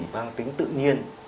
mang tính tự nhiên